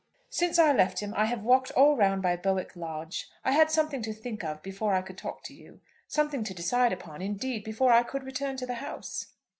"Since I left him I have walked all round by Bowick Lodge. I had something to think of before I could talk to you, something to decide upon, indeed, before I could return to the house."